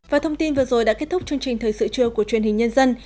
và thông tin vừa rồi đã kết thúc chương trình thời sự trưa của truyền hình nhân dân